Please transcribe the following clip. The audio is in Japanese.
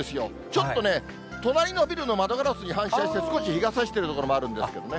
ちょっとね、隣のビルの窓ガラスに反射して、少し日がさしている所もあるんですけれどもね。